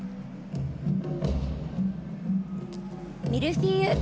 ミルフィーユ。